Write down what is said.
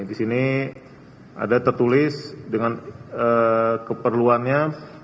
disini ada tertulis dengan keperluannya